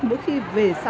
mỗi khi về xã